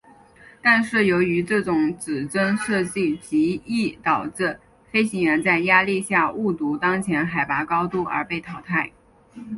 但是由于这种指针设计极易导致飞行员在压力下误读当前海拔高度而被淘汰。